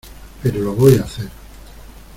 pero lo voy a hacer.